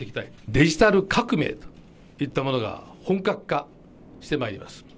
デジタル革命といったものが本格化してまいります。